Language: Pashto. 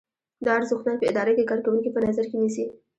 دا ارزښتونه په اداره کې کارکوونکي په نظر کې نیسي.